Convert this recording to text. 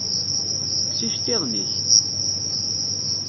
Kkes iceṭṭiḍen-ik!